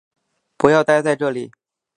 不要待在这里